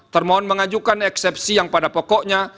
termohon mengajukan eksepsi yang pada pokoknya